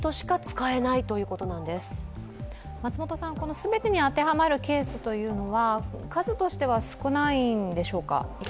全てに当てはまるケースというのは数としては少ないんでしょうか？